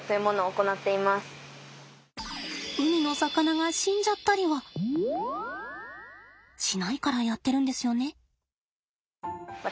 海の魚が死んじゃったりはしないからやってるんですよね。